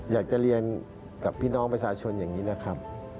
อยากจะเรียนกับพี่น้องประชาชนอย่างนี้นะครับ